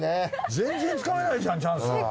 全然つかめないじゃんチャンスラー。